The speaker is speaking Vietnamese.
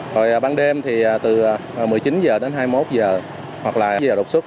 rồi ban đêm thì từ một mươi chín h đến hai mươi một h hoặc là bây giờ đột xuất